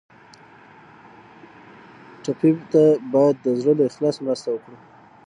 ټپي ته باید د زړه له اخلاص مرسته وکړو.